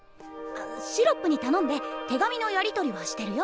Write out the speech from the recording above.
シロップに頼んで手紙のやり取りはしてるよ。